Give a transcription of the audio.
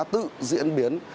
tự diễn biến